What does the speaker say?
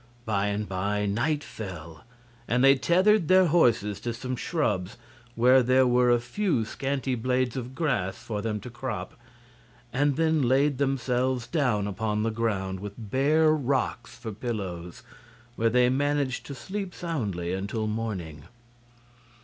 By and by night fell, and they tethered their horses to some shrubs, where there were a few scanty blades of grass for them to crop, and then laid themselves down upon the ground, with bare rocks for pillows, where they managed to sleep soundly until morning.